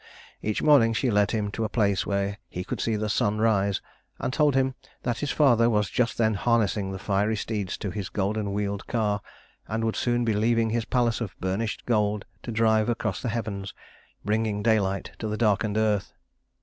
Each morning she led him to a place where he could see the sun rise, and told him that his father was just then harnessing the fiery steeds to his golden wheeled car, and would soon be leaving his palace of burnished gold to drive across the heavens, bringing daylight to the darkened earth.